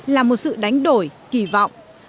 là một sự đánh đổi kỳ vọng